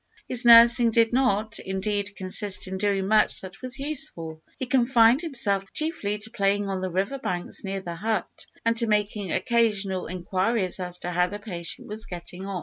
His nursing did not, indeed, consist in doing much that was useful. He confined himself chiefly to playing on the river banks near the hut, and to making occasional inquiries as to how the patient was getting on.